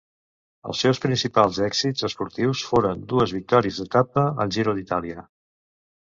Els seus principals èxits esportius foren dues victòries d'etapa al Giro d'Itàlia.